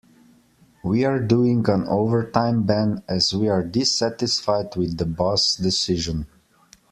We are doing an overtime ban as we are dissatisfied with the boss' decisions.